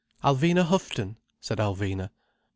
"Alvina Houghton," said Alvina.